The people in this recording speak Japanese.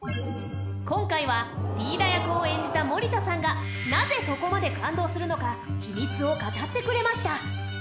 今回は、ティーダ役を演じた森田さんがなぜ、そこまで感動するのか秘密を語ってくれました